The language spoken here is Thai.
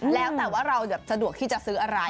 แล้วแต่ว่าเราจะสะดวกที่จะซื้ออะไร